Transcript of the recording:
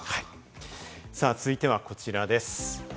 続いてはこちらです。